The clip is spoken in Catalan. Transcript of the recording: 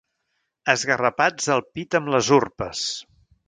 Esgarrapats al pit amb les urpes.